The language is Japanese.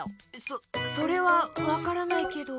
そそれはわからないけど。